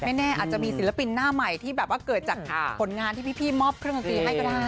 แน่อาจจะมีศิลปินหน้าใหม่ที่แบบว่าเกิดจากผลงานที่พี่มอบเครื่องดนตรีให้ก็ได้